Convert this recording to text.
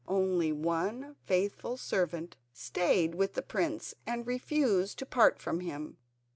Only one faithful servant stayed with the prince and refused to part from him.